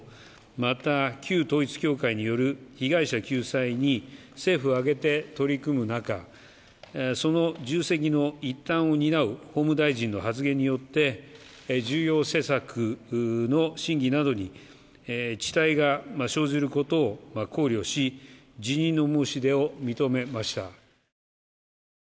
また、旧統一教会による被害者救済に政府を挙げて取り組む中その重責の一端を担う法務大臣の発言によって重要施策の審議などに遅滞が生じることを考慮し辞任の申し出を認めました。